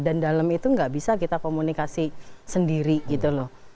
dan dalam itu gak bisa kita komunikasi sendiri gitu loh